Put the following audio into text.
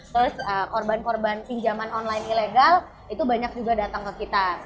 terus korban korban pinjaman online ilegal itu banyak juga datang ke kita